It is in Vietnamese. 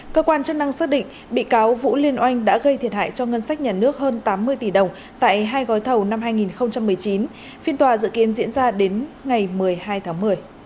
cơ quan chức năng xác định bị cáo vũ liên oanh đã gây thiệt hại cho ngân sách nhà nước hơn tám mươi tỷ đồng tại hai gói thầu năm hai nghìn một mươi chín phiên tòa dự kiến diễn ra đến ngày một mươi hai tháng một mươi